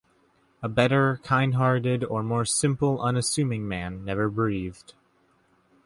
A better, kindhearted or more simple, unassuming man never breathed.